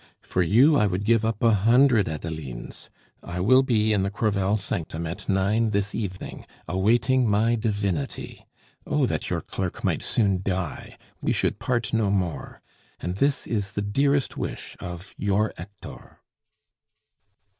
For you I would give up a hundred Adelines. I will be in the Crevel sanctum at nine this evening awaiting my divinity. Oh that your clerk might soon die! We should part no more. And this is the dearest wish of "YOUR HECTOR."